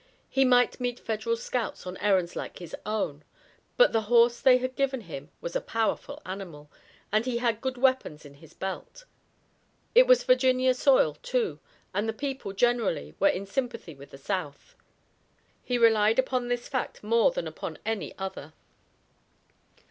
He might meet Federal scouts on errands like his own, but the horse they had given him was a powerful animal, and he had good weapons in his belt. It was Virginia soil, too, and the people, generally, were in sympathy with the South. He relied upon this fact more than upon any other.